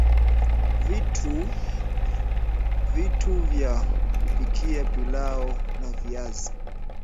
Vitu vya kupikia pilau la viazi